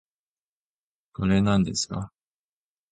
これ、なんですか